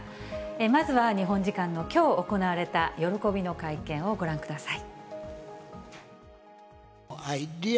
まずは日本時間のきょう行われた、喜びの会見をご覧ください。